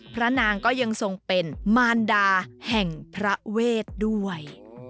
พระนางก็ยังทรงเป็นมารดาแห่งพระเวทด้วย